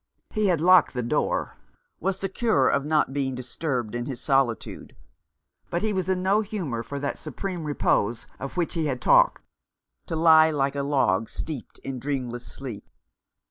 He had locked the door, was secure of not being disturbed in his solitude ; but he was in no humour for that supreme repose of which he had talked — to lie like a log steeped in dreamless sleep.